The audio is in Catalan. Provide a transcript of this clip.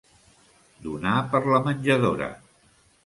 Donar per la menjadora.